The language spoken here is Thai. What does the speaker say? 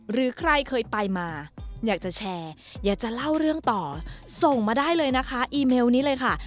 หรือใครเคยไปมาอยากจะแชร์อยากจะเล่าเรื่องต่อส่งมาได้เลยนะคะอีเมลนี้เลยค่ะ